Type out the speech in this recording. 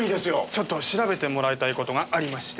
ちょっと調べてもらいたい事がありまして。